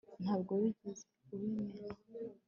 ntabwo wigeze ubimena